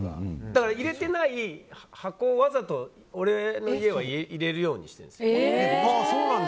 だから、入れてない箱をわざと俺の家は入れるようにしてるんですよ。